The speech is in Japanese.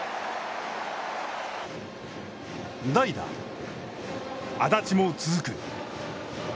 代打安達も続く。